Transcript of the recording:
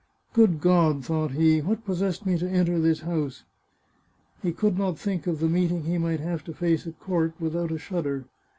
" Good God !" thought he, " what pos sessed me to enter this house ?" He could not think of the meeting he might have to face at court, without a shudder.